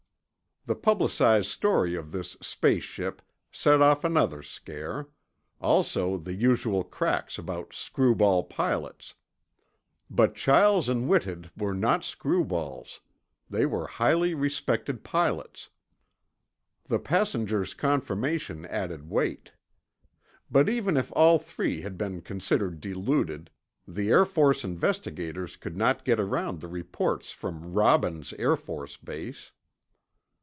The publicized story of this "space ship" set off another scare—also the usual cracks about screwball pilots. But Chiles and Whitted were not screwballs; they were highly respected pilots. The passenger's confirmation added weight. But even if all three had been considered deluded, the Air Force investigators could not get around the reports from Robbins Air Force Base.